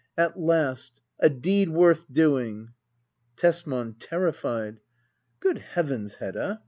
] At last a deed worth doing * Tesman. [Terrified,] Good heavens, Hedda!